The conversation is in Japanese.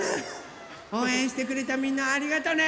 おうえんしてくれたみんなありがとね！